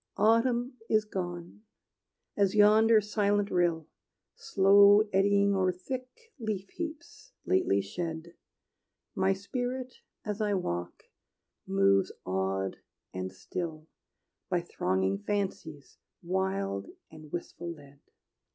Autumn is gone: as yonder silent rill, Slow eddying o'er thick leaf heaps lately shed, My spirit, as I walk, moves awed and still, By thronging fancies wild and wistful led.